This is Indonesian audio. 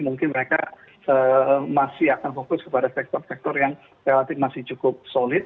mungkin mereka masih akan fokus kepada sektor sektor yang relatif masih cukup solid